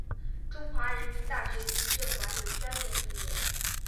中国人民大学行政管理专业毕业。